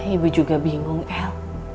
ibu juga bingung el